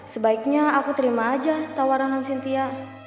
sebaiknya aku terima aja tawaran non sintia